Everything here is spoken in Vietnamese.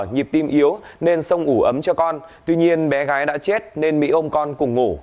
nhịp tim yếu nên sông ủ ấm cho con tuy nhiên bé gái đã chết nên mỹ ông con cùng ngủ